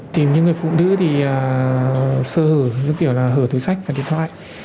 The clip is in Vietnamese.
tìm những người phụ nữ thì sơ hở như kiểu là hở túi sách và điện thoại